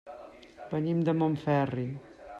Venim de Montferri.